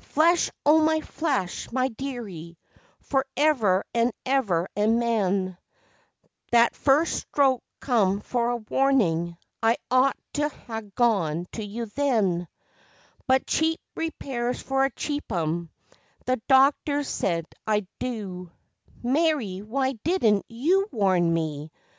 Flesh o' my flesh, my dearie, for ever an' ever amen, That first stroke come for a warning; I ought to ha' gone to you then, But cheap repairs for a cheap 'un the doctors said I'd do: Mary, why didn't you warn me?